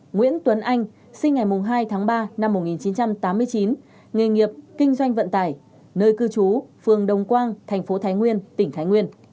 nguyễn tuấn anh sinh ngày hai tháng ba năm một nghìn chín trăm tám mươi chín nghề nghiệp kinh doanh vận tải nơi cư trú phường đồng quang thành phố thái nguyên tỉnh thái nguyên